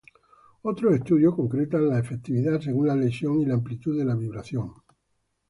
Otros estudios concretan la efectividad según la lesión y la amplitud de la vibración.